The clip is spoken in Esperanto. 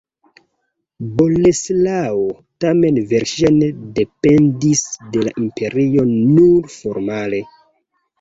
Boleslao tamen verŝajne dependis de la imperio nur formale.